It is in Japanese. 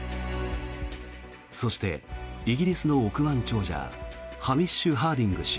そしてイギリスの億万長者ハミッシュ・ハーディング氏。